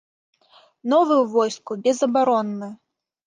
Новы ў войску безабаронны.